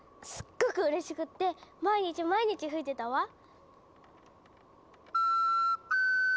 すっごくうれしくって毎日毎日吹いてたわ。